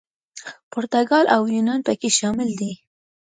پرتګال او یونان پکې شامل دي.